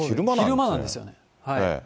昼間なんですよ。